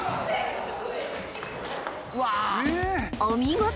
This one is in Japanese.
［お見事！］